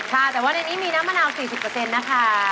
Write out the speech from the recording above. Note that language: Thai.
ค่ะแต่ว่าในนี้มีน้ำมะนาว๔๐นะคะ